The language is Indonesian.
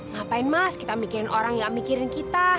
ngapain mas kita mikirin orang yang gak mikirin kita